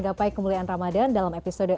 gapai kemuliaan ramadhan dalam episode